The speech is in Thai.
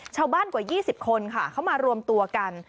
ชาวบ้านกว่า๒๐คนค่ะเข้ามารวมตัวกัน